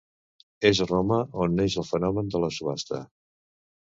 És a Roma on neix el fenomen de la subhasta.